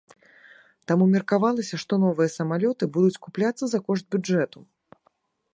Таму меркавалася, што новыя самалёты будуць купляцца за кошт бюджэту.